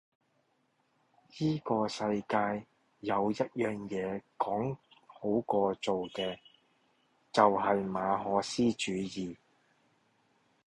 依個世界有一樣野講好過做嘅，就係馬可思主義!